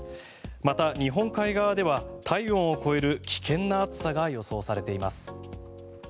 また、日本海側では体温を超える危険な暑さが予想されています。